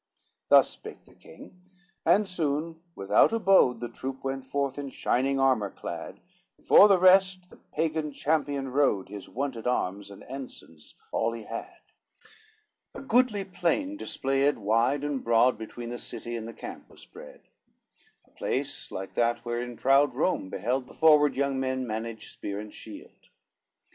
XXII Thus spake the King, and soon without abode The troop went forth in shining armor clad, Before the rest the Pagan champion rode, His wonted arms and ensigns all he had: A goodly plain displayed wide and broad, Between the city and the camp was spread, A place like that wherein proud Rome beheld The forward young men manage spear and shield.